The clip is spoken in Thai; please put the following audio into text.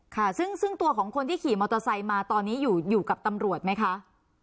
ค่ะซึ่งตัวของคนที่ขี่มอเตอร์ไซค์มาตอนนี้อยู่กับตำรวจไหมคะ